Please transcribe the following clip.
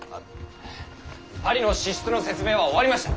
パリの支出の説明は終わりました。